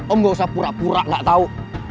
om gak usah pura pura gak tau